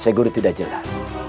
syekh guri tidak jelas